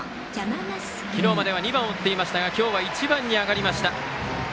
昨日までは２番を打っていましたが今日は１番に上がりました。